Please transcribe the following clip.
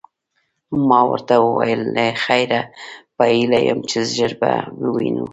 ما ورته وویل: له خیره، په هیله یم چي ژر به ووینو.